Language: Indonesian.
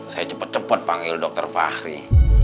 saya cepet cepet panggil dr fahri